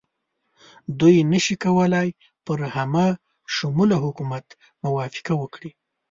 دوی نه شي کولای پر همه شموله حکومت موافقه وکړي.